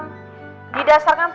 didasarkan pada proses belajar manusia